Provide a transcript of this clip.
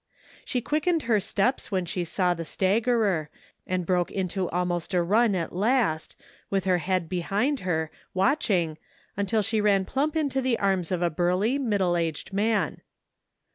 She quickened her steps when she saw the staggerer, and broke into almost a run at last, with her head behind her, w^atching, until she ran plump into the arms of a burly, middle aged man.